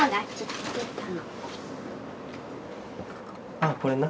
あっこれな。